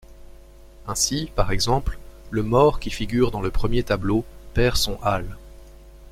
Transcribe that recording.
Ainsi, par exemple, le Maure qui figure dans le premier tableau perd son hâle.